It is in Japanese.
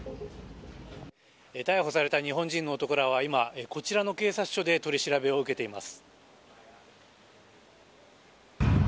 逮捕された日本人の男らは今、こちらの警察署で取り調べを受けています。